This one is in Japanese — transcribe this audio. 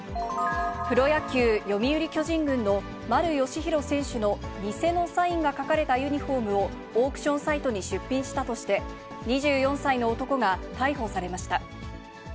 プロ野球・読売巨人軍の丸佳浩選手の偽のサインが書かれたユニホームをオークションサイトに出品したとして、２４歳の男が逮捕されました。